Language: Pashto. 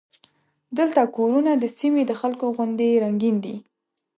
دلته کورونه د سیمې د خلکو غوندې رنګین دي.